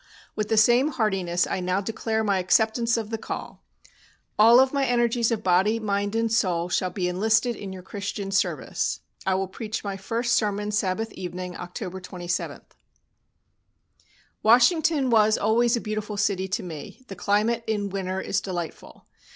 With the same heartiness I now declare my acceptance of the call. All of my energies of body, mind, and soul shall be enlisted in your Christian service. I will preach my first sermon Sabbath evening, October 27." Washington was always a beautiful city to me, the climate in winter is delightful.